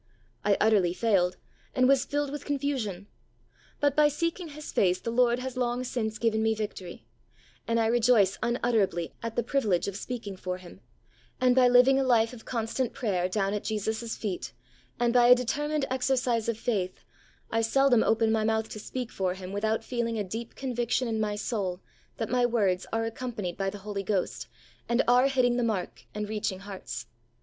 I utterly failed, and was filled with confusion. But by seeking His face tfie Lord has long since given me victory, and I rejoice unutterably at the privilege of speak ing for Him, and by living a life of constant prayer down at Jesus' feet, and by a determined exercise of faith, I seldom open my mouth to speak for Him without feeling a deep conviction in my soul that my words are accompanied by the Holy Ghost and are hitting the mark and reaching hearts.